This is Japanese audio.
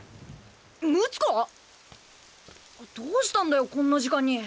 睦子⁉どうしたんだよこんな時間に。